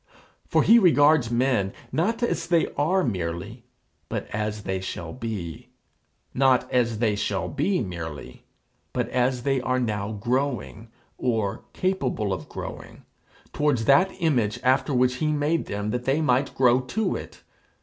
For he regards men not as they are merely, but as they shall be; not as they shall be merely, but as they are now growing, or capable of growing, towards that image after which he made them that they might grow to it.